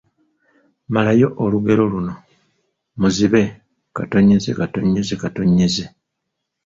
Malayo olugero luno: Muzibe …